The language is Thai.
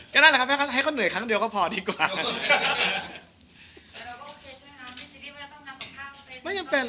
ก็นั่นแหละครับให้เขาเหนื่อยครั้งเดียวก็พอดีกว่า